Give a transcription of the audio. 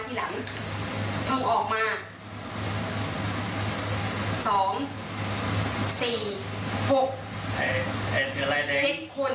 ที่หลังลูกออกมาสองสี่หกเจ็ดคน